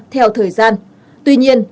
theo thời gian tuy nhiên